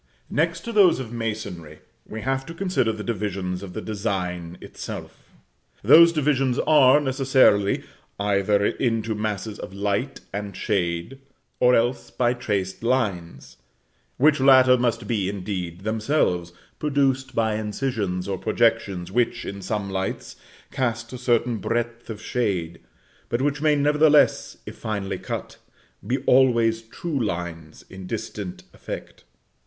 Next to those of the masonry, we have to consider the divisions of the design itself. Those divisions are, necessarily, either into masses of light and shade, or else by traced lines; which latter must be, indeed, themselves produced by incisions or projections which, in some lights, cast a certain breadth of shade, but which may, nevertheless, if finely enough cut, be always true lines, in distant effect.